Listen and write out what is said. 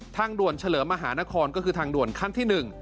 ทางด่วนเฉลิมมหานครก็คือทางด่วนขั้นที่๑